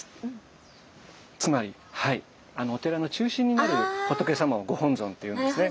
つまりお寺の中心にある仏様をご本尊って言うんですね。